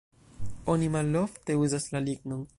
Oni malofte uzas la lignon.